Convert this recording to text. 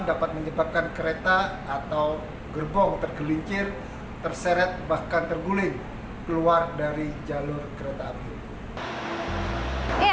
dapat menyebabkan kereta atau gerbong tergelincir terseret bahkan terguling keluar dari jalur kereta api